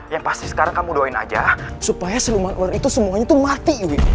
yang pasti sekarang kamu doain aja supaya seluman ular itu semuanya tuh mati